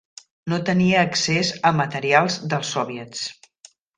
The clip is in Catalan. No tenia accés a materials dels soviets.